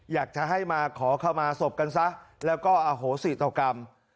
อยากจะให้มาขอขมาศพกันซะแล้วก็อโหสิต่อกรรม